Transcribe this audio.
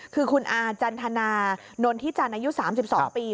คือคุณอาจันทนานนทิจันทร์อายุ๓๒ปี